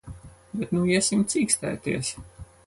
Bet nu iesim cīkstēties.